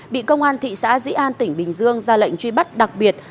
bị công an thị xã dĩ an tỉnh bình dương ra lệnh truy bắt đặc biệt